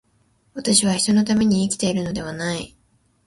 私は人のために生きているのではない。